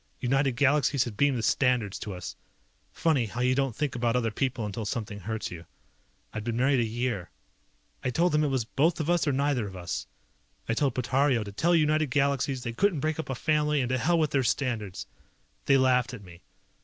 United Galaxies had beamed the standards to us. Funny how you don't think about other people until something hurts you. I'd been married a year. I told them it was both of us or neither of us. I told Portario to tell United Galaxies they couldn't break up a family and to hell with their standards. They laughed at me.